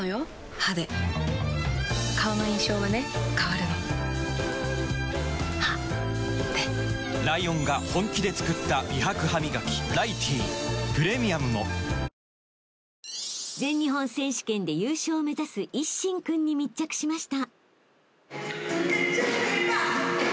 歯で顔の印象はね変わるの歯でライオンが本気で作った美白ハミガキ「ライティー」プレミアムも［全日本選手権で優勝を目指す一心君に密着しました］